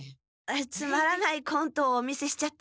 つまらないコントをお見せしちゃってすみません。